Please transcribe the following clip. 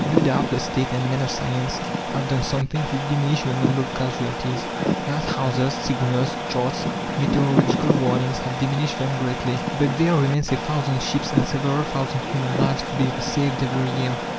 No doubt the State and men of science have done something to diminish the number of casualties. Lighthouses, signals, charts, meteorological warnings have diminished them greatly, but there remains a thousand ships and several thousand human lives to be saved every year.